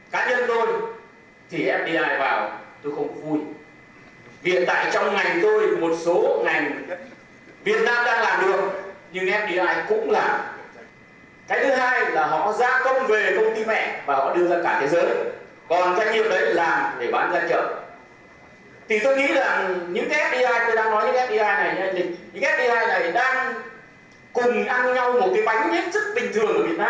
các doanh nghiệp nội của việt nam mới là người tạo ra nhập siêu